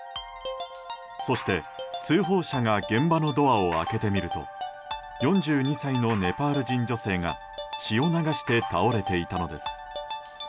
そして通報者が現場のドアを開けてみると４２歳のネパール人女性が血を流して倒れていたのです。